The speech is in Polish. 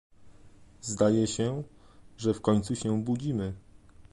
Zdaje się, że w końcu się budzimy